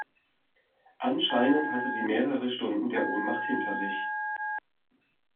Anscheinend hatte sie mehrere Stunden der Ohnmacht hinter sich.